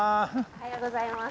おはようございます。